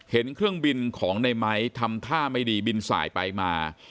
เครื่องบินของในไม้ทำท่าไม่ดีบินสายไปมา